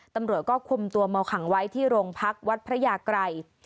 ตำรวจก็คุมตัวเมาขังไว้ที่โรงพักวัดพระยากรัย